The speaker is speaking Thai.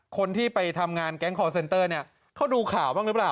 คนที่ไปทำงานแก๊งคอร์เซ็นเตอร์เนี่ยเขาดูข่าวบ้างหรือเปล่า